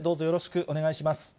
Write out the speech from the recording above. よろしくお願いします。